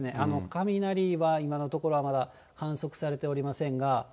雷は、今のところはまだ観測されておりませんが。